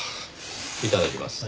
いただきます。